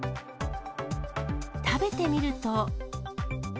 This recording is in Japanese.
食べてみると。